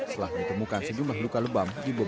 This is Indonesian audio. setelah ditemukan sejumlah luka lebam di beberapa rumah